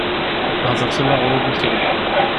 Hder tura ɣer umikru.